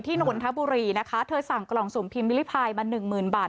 ที่โดนธบุรีนะคะเธอสั่งกล่องสมพิมพ์มิลลิฟาลมา๑หมื่นบาท